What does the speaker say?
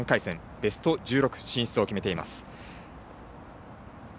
ベスト１６進出を決めています。